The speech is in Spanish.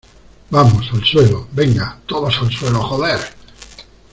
vamos, al suelo. ¡ venga! ¡ todos al suelo , joder !